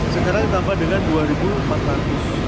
sekarang ditambah dengan rp dua empat ratus